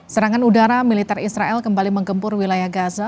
serangan udara militer israel kembali menggempur wilayah gaza